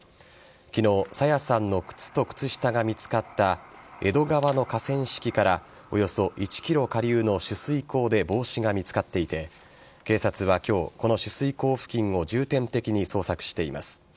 昨日朝芽さんの靴と靴下が見つかった江戸川の河川敷からおよそ１ｋｍ下流の取水口で帽子が見つかっていて警察は今日、この取水口付近を重点的に捜索しています。